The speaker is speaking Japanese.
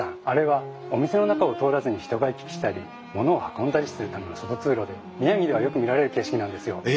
あれはお店の中を通らずに人が行き来したり物を運んだりするための外通路で宮城ではよく見られる景色なんですよ。